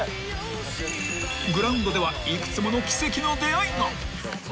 ［グラウンドでは幾つもの奇跡の出会いが］